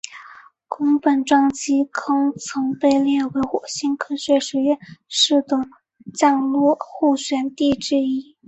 宫本撞击坑曾被列为火星科学实验室的降落候选地点之一。